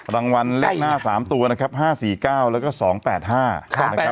รางวัลเลขหน้าสามตัวนะครับห้าสี่เก้าแล้วก็สองแปดห้าสองแปด